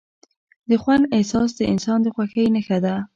د خوند احساس د انسان د خوښۍ نښه ده.